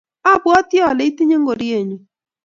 abwatii ale itinye ngorienyu,